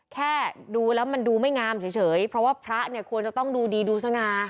แค่ดูแล้วมันดูไม่งามเฉยเพราะว่าพระเนี่ยควรจะต้องดูดีดูสง่า